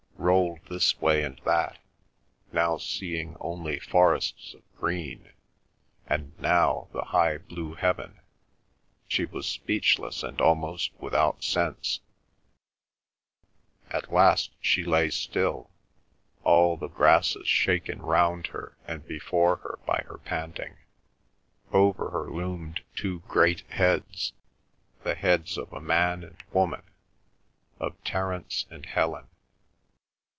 Rolled this way and that, now seeing only forests of green, and now the high blue heaven; she was speechless and almost without sense. At last she lay still, all the grasses shaken round her and before her by her panting. Over her loomed two great heads, the heads of a man and woman, of Terence and Helen.